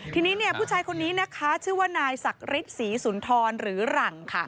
ทีนี้ผู้ชายคนนี้นะคะชื่อว่านายศักดิ์ฤทธิศรีสุนทรหรือหลัง